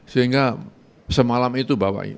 sehingga semalam itu bawa ya